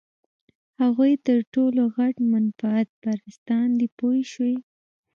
هغوی تر ټولو غټ منفعت پرستان دي پوه شوې!.